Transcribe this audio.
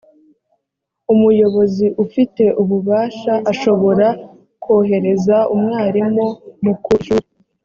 umuyobozi ufite ububasha ashobora kohereza umwarimu mu ku ishuri